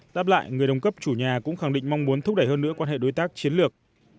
đáp lại người đồng cấp chủ nhà cũng khẳng định mong muốn thúc đẩy hơn nữa quan hệ đối tác chiến lược